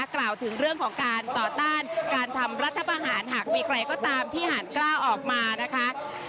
กล่าวถึงเรื่องของการต่อต้านการทำรัฐประหารหากมีใครก็ตามที่หารกล้าออกมานะคะ